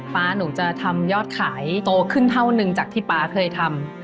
๊าหนูจะทำยอดขายโตขึ้นเท่านึงจากที่ป๊าเคยทำ